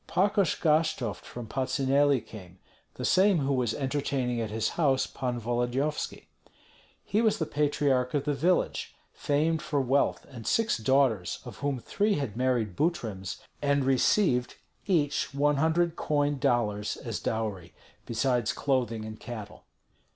Pakosh Gashtovt from Patsuneli came, the same who was entertaining at his house Pan Volodyovski. He was the patriarch of the village, famed for wealth and six daughters, of whom three had married Butryms, and received each one hundred coined dollars as dowry, besides clothing and cattle.